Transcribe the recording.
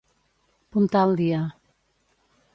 Puntar el dia.